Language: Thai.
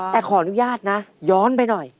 แต่ขออนุญาตนะย้อนไปหน่อย